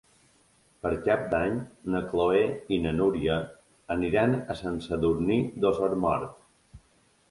Per Cap d'Any na Chloé i na Núria aniran a Sant Sadurní d'Osormort.